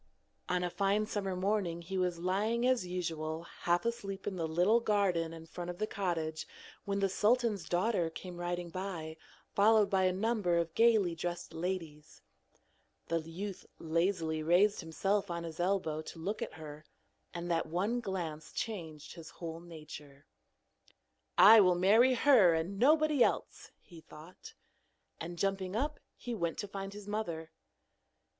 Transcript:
On a fine summer morning he was lying as usual half asleep in the little garden in front of the cottage when the sultan's daughter came riding by, followed by a number of gaily dressed ladies. The youth lazily raised himself on his elbow to look at her, and that one glance changed his whole nature. 'I will marry her and nobody else,' he thought. And jumping up, he went to find his mother.